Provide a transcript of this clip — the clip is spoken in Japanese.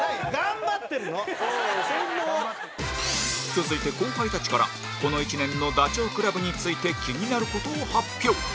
続いて後輩たちからこの１年のダチョウ倶楽部について気になる事を発表！